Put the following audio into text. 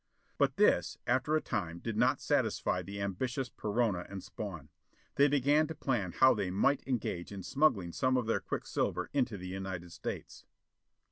But this, after a time, did not satisfy the ambitious Perona and Spawn. They began to plan how they might engage in smuggling some of their quicksilver into the United States.